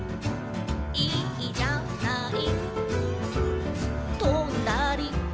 「いいじゃない」